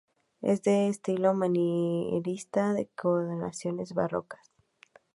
Es de estilo manierista con decoraciones barrocas.